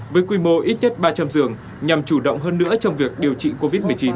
với quy mô ít nhất ba trăm linh giường nhằm chủ động hơn nữa trong việc điều trị covid một mươi chín